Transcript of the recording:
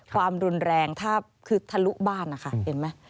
ความรุนแรงถ้าคือทะลุบ้านนะคะเห็นไหม